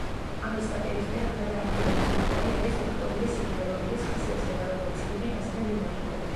ამის საპირისპიროდ გადაადგილების ვექტორი არის ვექტორული სიდიდე, რომელიც ხასიათდება როგორც სიდიდით, ასევე მიმართულებით.